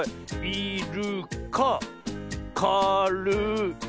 い・る・かか・る・い。